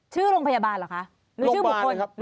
ชื่อโรงพยาบาลเหรอคะหรือชื่อบุคคล